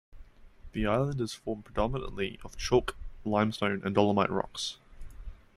The island is formed predominantly of chalk limestone and dolomite rocks.